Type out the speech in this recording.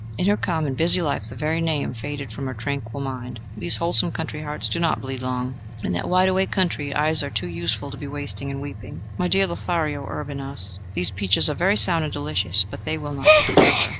In her calm and busy life the very name faded from her tranquil mind. These wholesome country hearts do not bleed long. In that wide awake country eyes are too useful to be wasted in weeping. My dear Lothario Urban us, those peaches are very sound and delicious, but they will not keep for ever.